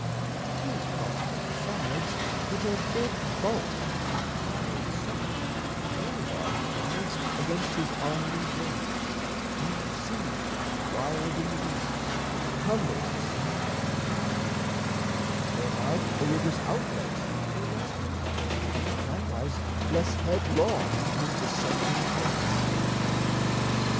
'Tis possible, besides, That a big bulk of piled sand may bar His mouths against his onward waves, when sea, Wild in the winds, tumbles the sand to inland; Whereby the river's outlet were less free, Likewise less headlong his descending floods.